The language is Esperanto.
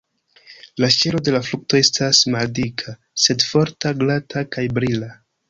La ŝelo de la frukto estas maldika, sed forta, glata kaj brila.